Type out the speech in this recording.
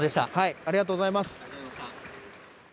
ありがとうございます。